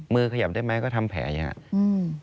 ขยับได้ไหมก็ทำแผลอย่างนี้